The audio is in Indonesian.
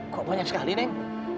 kok banyak sekali neng